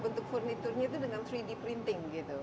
bentuk furniture nya itu dengan tiga d printing gitu